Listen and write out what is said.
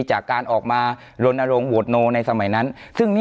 จากการออกมาลนโรงโหวตโนในสมัยนั้น